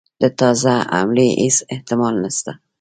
د تازه حملې هیڅ احتمال نسته.